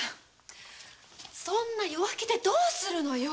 そんな弱気でどうするのよ。